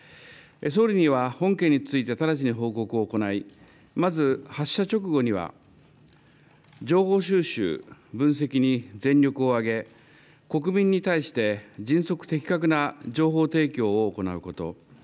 総理には本件について直ちに報告を行い、まず発射直後には、情報収集、分析に全力を挙げ、国民に対して、迅速、的確な情報提供を行うこと。